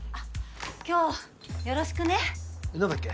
今日よろしくね何だっけ？